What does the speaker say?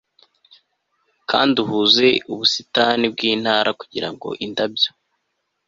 kandi uhuze ubusitani bwintara kugirango indabyo